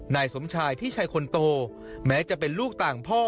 นายสมชายพี่ชายคนโตแม้จะเป็นลูกต่างพ่อ